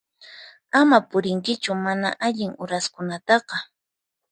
Ama purinkichu mana allin uraskunataqa.